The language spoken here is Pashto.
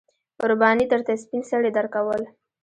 رباني درته سپين څڼې درکول.